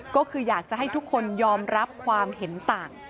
ก็คืออยากจะให้ทุกคนยอมรับความเห็นต่าง